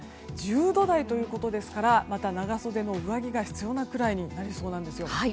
１０度台ということですからまた長袖の上着が必要なくらいになりそうなんです。